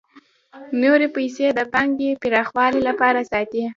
نورې پیسې د پانګې پراخوالي لپاره ساتي